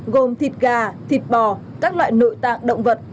gồm thịt gà thịt bò các loại nội tạng động vật